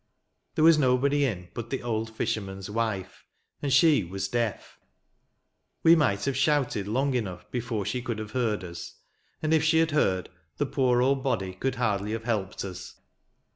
There was nobody in but the old fisherman's wife, and she was deaf. We might have shouted long enough before she could have heard us ; and if she had heard, the poor old body could hardly have helped us.